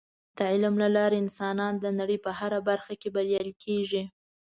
د علم له لارې انسانان د نړۍ په هره برخه کې بریالي کیږي.